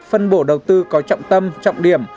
phân bổ đầu tư có trọng tâm trọng điểm